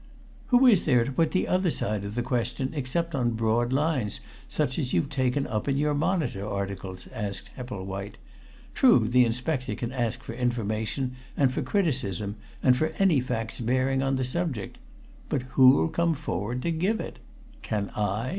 "Who is there to put the other side of the question, except on broad lines, such as you've taken up in your Monitor articles?" asked Epplewhite. "True, the inspector can ask for information and for criticism, and for any facts bearing on the subject. But who'll come forward to give it? Can I?